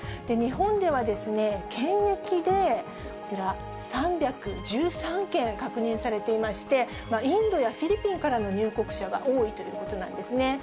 日本ではですね、検疫でこちら、３１３件確認されていまして、インドやフィリピンからの入国者が多いということなんですね。